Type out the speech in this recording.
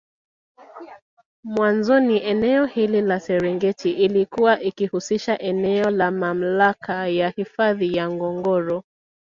Mwanzoni eneo hili la Serengeti ilikuwa ikihusisha eneo la Mamlaka ya hifadhi ya Ngorongoro